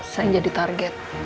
saya yang jadi target